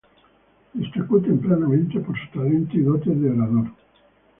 Destacó tempranamente por su talento y dotes de orador.